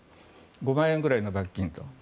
５万円ぐらいの罰金と。